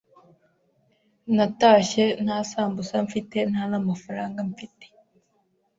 Natashye nta Sambusa mfite, nta n’amafaranga mfite